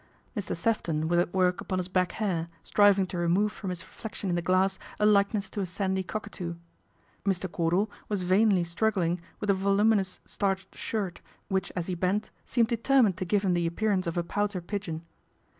Mr. Sefton was at work upon his back hair, striving to remove from his reflection in the glass, a likeness to a sandy cockatoo. Mr. Cordal was vainly struggling with a volumin ous starched shirt, which as he bent seemed deter mined to give him the appearance of a pouter pigeon.